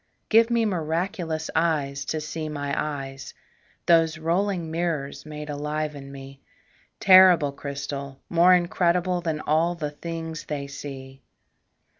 Give me miraculous eyes to see my eyes, Those rolling mirrors made alive in me, Terrible crystal more incredible Than all the things they see.